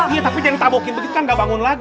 iya tapi jangan ngetabukin begitu kan gak bangun lagi